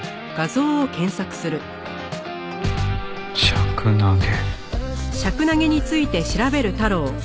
シャクナゲ。